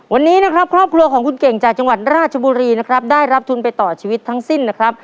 วันนี้ครอบครัวของคุณเก่งจากจังหวัดราชบุรีได้รับทุนไปต่อชีวิตทั้งสิ้น